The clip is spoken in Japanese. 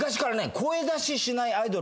声出ししないアイドル。